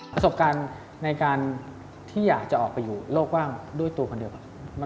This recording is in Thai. ประสบการณ์ในการที่อยากจะออกไปอยู่โลกว่างด้วยตัวคนเดียว